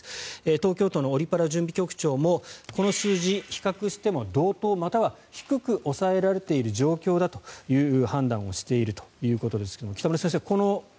東京都のオリ・パラ準備局長もこの数字比較しても同等、または低く抑えられている状況だという判断をしているということですが北村先生